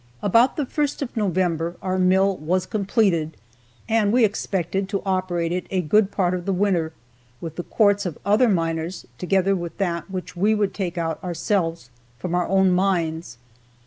About the first of November our mill was completed, and we expected to operate it a good part of the winter with the quartz of other miners, together with that which we would take out ourselves from our own mines.